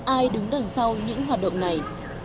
ai đứng đằng sau những hoạt động này